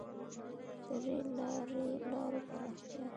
• د رېل لارو پراختیا.